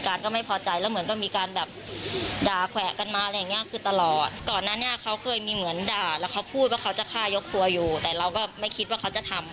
ก็เหมือนด่าแล้วเขาก็เลยบอกว่าอะไรอ่ะ